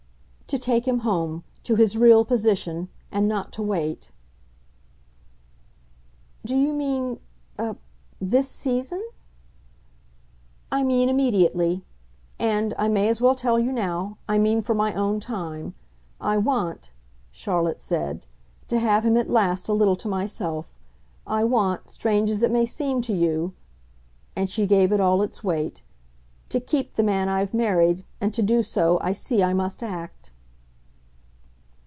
"To take him home to his real position. And not to wait." "Do you mean a this season?" "I mean immediately. And I may as well tell you now I mean for my own time. I want," Charlotte said, "to have him at last a little to myself; I want, strange as it may seem to you" and she gave it all its weight "to KEEP the man I've married. And to do so, I see, I must act."